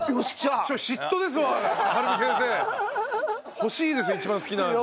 欲しいですよ一番好きな味。